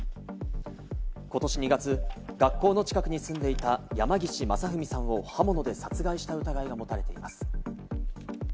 今年２月、学校の近くに住んでいた山岸正文さんを刃物で殺害した疑いが持たれています。